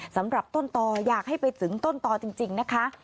สำหรับต้นต่ออยากให้ไปถึงต้นต่อจริงนะคะ